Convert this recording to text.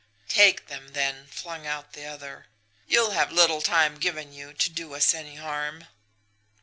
"'Take them, then!' flung out the other. 'You'll have little time given you to do us any harm!'